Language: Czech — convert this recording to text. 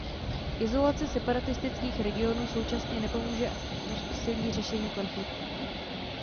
Izolace separatistických regionů současně nepomůže v úsilí řešení konfliktu.